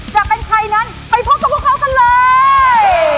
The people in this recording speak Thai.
จะเป็นใครนั้นไปพบกับพวกเขากันเลย